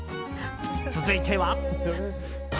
続いては。